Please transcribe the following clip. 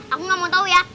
aku gak mau tau ya